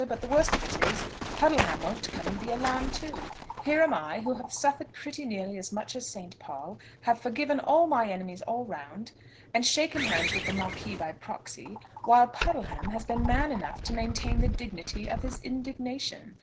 But the worst of it is, Puddleham won't come and be a lamb too. Here am I, who have suffered pretty nearly as much as St. Paul, have forgiven all my enemies all round, and shaken hands with the Marquis by proxy, while Puddleham has been man enough to maintain the dignity of his indignation.